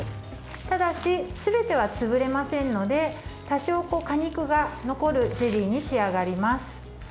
ただし、すべては潰れませんので多少、果肉が残るゼリーに仕上がります。